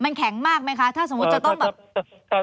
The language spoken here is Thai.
มันแข็งมากไหมคะถ้าสมมุติจะต้องแบบ